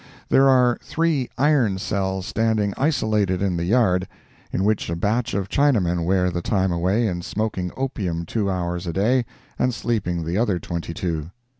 There are three iron cells standing isolated in the yard, in which a batch of Chinamen wear the time away in smoking opium two hours a day and sleeping the other twenty two.